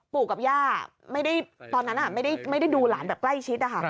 ปู่กับย่าตอนนั้นไม่ได้ดูหลานแบบใกล้ชิดนะคะ